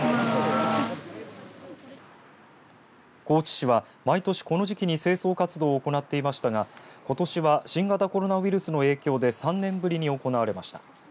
高知市は毎年この時期に清掃活動を行っていましたがことしは新型コロナウイルスの影響で３年ぶりに行われました。